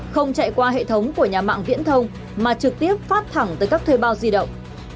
không chạy qua hệ thống của nhà mạng viễn thông mà trực tiếp phát thẳng tới các thuê bao di động